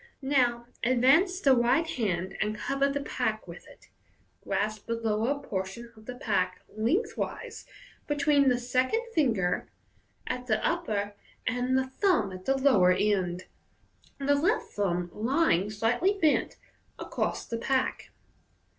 Now advance the right hand, and cover the pack with it. Grasp the lower portion of the pack lengthways between the second finger at the upper and the thumb at the lower end, the left thumb lying, slightly bent, across the pack.